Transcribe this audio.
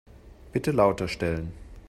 Bitte lauter stellen.